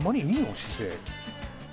姿勢。